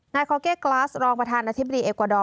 นายคอร์เกฟร์กลาสรองประธานที่บริเอกวาดอร์